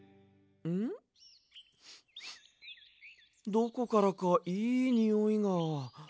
どこからかいいにおいが。